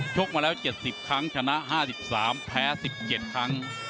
กมาแล้ว๗๐ครั้งชนะ๕๓แพ้๑๗ครั้ง